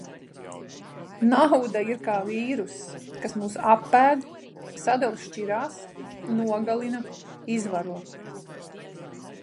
Nauda ir kā vīrsuss, kas mūs apēd. Sadala šķirās, nogalina, izvaro.